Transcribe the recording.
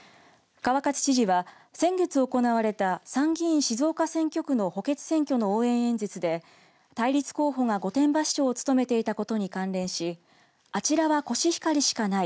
川勝知事は、先月行われた参議院静岡選挙区の補欠選挙の応援演説で対立候補が御殿場市長を務めていたことに関連しあちらはコシヒカリしかない。